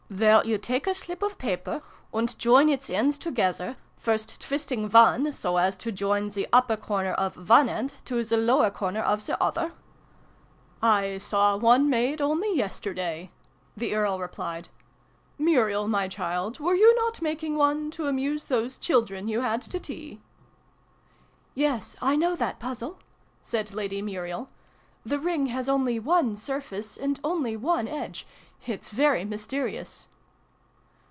" Where you take a slip of paper, and join its ends together, first twisting one, so as to join the upper corner of one end to the lower corner of the other ?" 102 SYLVIE AND BRUNO CONCLUDED. " I saw one made, only yesterday," the Earl replied. " Muriel, my child, were you not making one, to amuse those children you had to tea ?"" Yes, I know that Puzzle," said Lady Muriel. " The Ring has only one surface, and only one edge. It's very mysterious